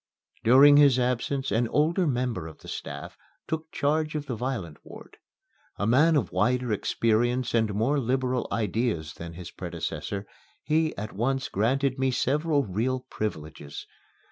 During his absence an older member of the staff took charge of the violent ward. A man of wider experience and more liberal ideas than his predecessor, he at once granted me several real privileges.